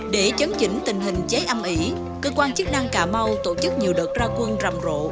để chấn chỉnh tình hình cháy âm ỉ cơ quan chức năng cà mau tổ chức nhiều đợt ra quân rằm rộ